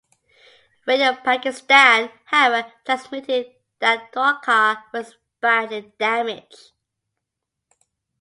Radio Pakistan, however, transmitted that Dwarka was badly damaged.